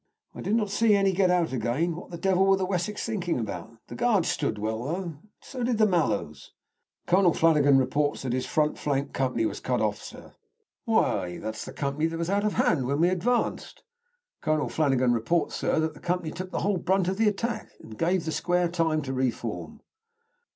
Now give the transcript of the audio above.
"I did not see any get out again. What the devil were the Wessex thinking about? The Guards stood well, though; so did the Mallows." "Colonel Flanagan reports that his front flank company was cut off, sir." "Why, that's the company that was out of hand when we advanced!" "Colonel Flanagan reports, sir, that the company took the whole brunt of the attack, and gave the square time to re form."